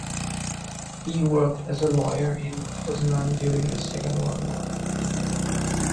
He worked as a lawyer in Poznan during the Second World War.